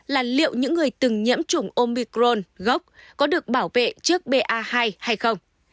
là liệu những người từng nhiễm chủng omicron gốc có được bảo vệ trước ba hai hay không